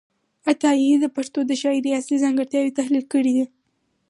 عطايي د پښتو د شاعرۍ اصلي ځانګړتیاوې تحلیل کړې دي.